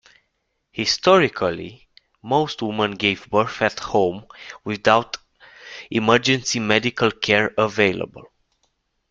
Historically, most women gave birth at home without emergency medical care available.